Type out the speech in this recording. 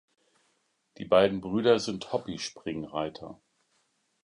Die beiden Brüder sind Hobby-Springreiter.